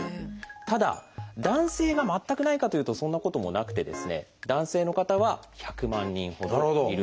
ただ男性が全くないかというとそんなこともなくて男性の方は１００万人ほどいるという。